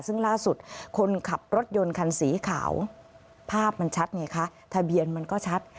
ซึ่งล่าสุดคนขับรถยนต์คันสีขาวภาพมันชัดไงคะทะเบียนมันก็ชัด